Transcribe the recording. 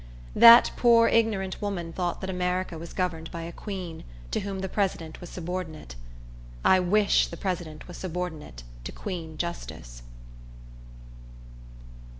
That poor, ignorant woman thought that America was governed by a Queen, to whom the President was subordinate. I wish the President was subordinate to Queen Justice.